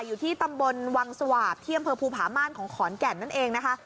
อยู่ที่ตำบลวังสวาปที่อำเภอภูผาม่านของขอนแก่นนั่นเองนะคะ